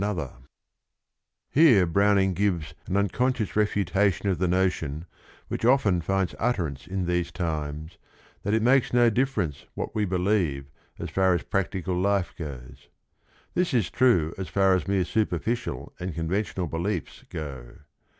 230 THE RING AND THE BOOK Here Browning gives an unconscious refuta tion of the notion which often finds utterance in these times, that it makes no difference what we believe as far as practical life goes. This is true as far as mere superficial and conventional beliefs go.